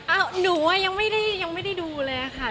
อะหนูยังไม่ได้ดูเลยอะค่ะ